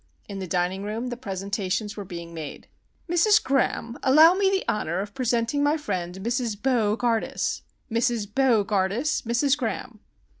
In the dining room the presentations were being made. "Mrs. Graham, allow me the Honour of Presenting my friend Mrs. Bo gardus; Mrs. Bo gardus, Mrs. Graham.